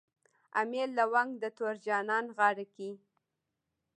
امیل لونګ د تور جانان غاړه کي